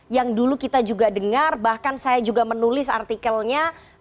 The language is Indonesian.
yang dulu kita juga dengar bahkan saya juga menulis artikelnya